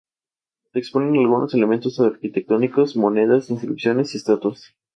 Se exponen algunos elementos arquitectónicos, monedas, inscripciones y estatuas.